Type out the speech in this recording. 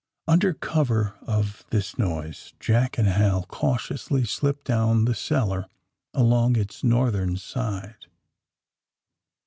Under cover of this noise Jack and Hal cau tiously slipped down the cellar along its north ern side.